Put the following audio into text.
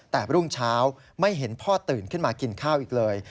แต่รุ่งเช้าไม่เห็นพ่อตื่นขึ้นมากินข้าวอีกเลย